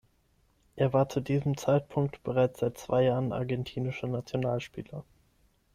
Er war zu diesem Zeitpunkt bereits seit zwei Jahren argentinischer Nationalspieler.